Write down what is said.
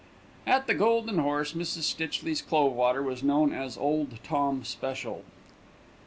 At The Golden Horse, Mrs. Stitchley's clove water was known as Old Tom Special.